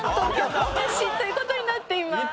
という事になっています。